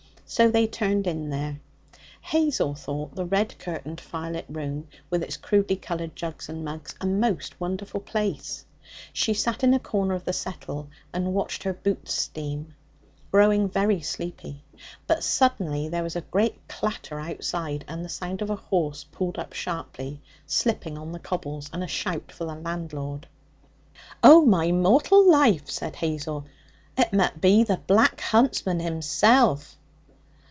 So they turned in there. Hazel thought the red curtained, firelit room, with its crudely coloured jugs and mugs, a most wonderful place. She sat in a corner of the settle and watched her boots steam, growing very sleepy. But suddenly there was a great clatter outside, the sound of a horse, pulled up sharply, slipping on the cobbles, and a shout for the landlord. 'Oh, my mortal life!' said Hazel, 'it met be the Black Huntsman himself.'